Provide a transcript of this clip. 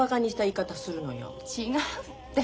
違うって。